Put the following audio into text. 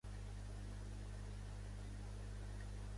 Aquests són els casos d'Eldorado de Barcelona i Eldorado de Madrid.